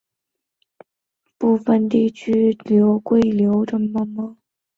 桂柳话通行于广西壮族自治区西北部五十六个县市的部分地区。